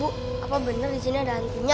bu apa bener disini ada hantunya